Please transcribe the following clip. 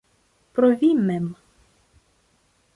Pro vi mem.